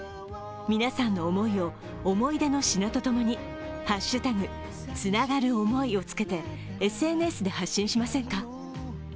皆さんの想いを思い出の品とともに「＃つながるおもい」をつけてＳＮＳで発信しませんか。